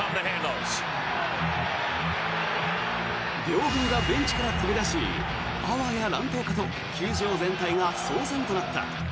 両軍がベンチから飛び出しあわや乱闘かと球場全体が騒然となった。